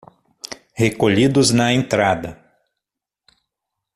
Recolhidos na entrada